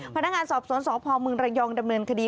พนักงานสอบสวนสพเมืองระยองดำเนินคดี